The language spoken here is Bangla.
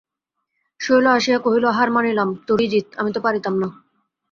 শৈল আসিয়া কহিল, হার মানিলাম, তোরই জিত–আমি তো পারিতাম না।